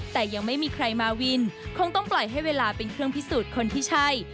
แต่ยังไม่มีใครมาวินคงต้องปล่อยให้เวลาเป็นเครื่องพิสูจน์คนที่ใช่